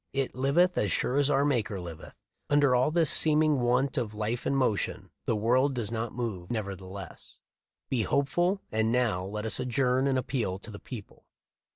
It liveth as sure as our Maker liveth. Under all this seeming want of life and motion, the world does move nevertheless. Be hopeful, and now let us adjourn and appeal to the people."